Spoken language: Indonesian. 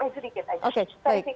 saya mau cakap sedikit aja